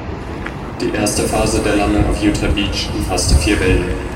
Die erste Phase der Landung auf Utah Beach umfasste vier Wellen.